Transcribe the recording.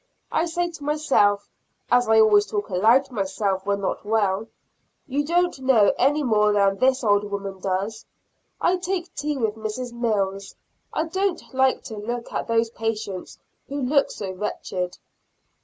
I say to myself (as I always talk aloud to myself when not well), "You don't know any more than this old woman does." I take tea with Mrs. Mills; I don't like to look at those patients who look so wretched.